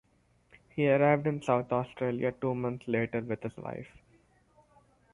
He arrived in South Australia two months later with his wife.